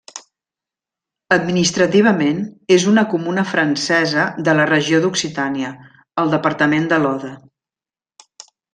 Administrativament, és una comuna francesa de la regió d'Occitània, al departament de l'Aude.